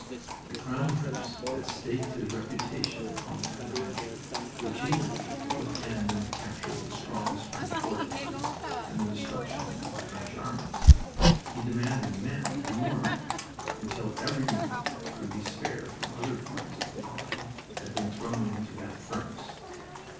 The Crown Prince had staked his reputation upon that adventure, which he believed would end in the capture of the strongest French fortress and the destruction of the French armies. He demanded men and more men, until every unit that could be spared from other fronts of the line had been thrown into that furnace.